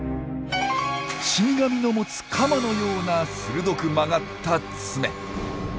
死神の持つカマのような鋭く曲がった爪。